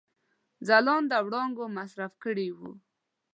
ځلانده وړانګو مصروف کړي وه.